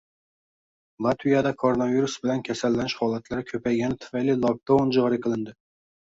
Latviyada koronavirus bilan kasallanish holatlari ko‘paygani tufayli lokdaun joriy qilindi